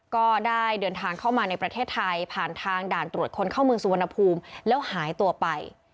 ก็ได้เดินทางเข้ามาในประเทศไทยผ่านทางด่านตรวจคนเข้าเมืองสุวรรณภูมิแล้วหายตัวไป